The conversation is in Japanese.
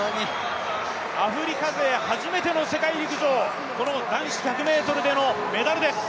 アフリカ勢初めての世界陸上、この男子１００ｍでのメダルです。